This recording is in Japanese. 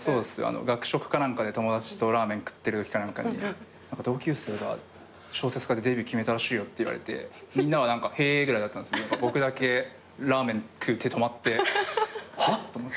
学食かなんかで友達とラーメン食ってるときかなんかに同級生が小説家でデビュー決めたらしいよって言われてみんなは何か「へえ」ぐらいだったんすけど僕だけラーメン食う手止まってはっ！？と。